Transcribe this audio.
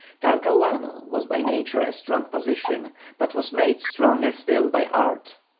Talcahuano was by nature a strong position, but was made stronger still by art.